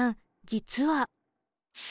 実は。